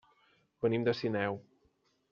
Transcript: Venim de Sineu.